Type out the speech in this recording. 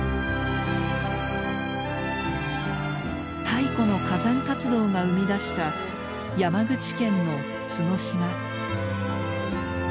太古の火山活動が生み出した山口県の角島。